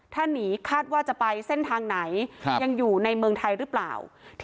ถ้าหนีคาดว่าจะไปเส้นทางไหนยังอยู่ในเมืองไทยหรือเปล่า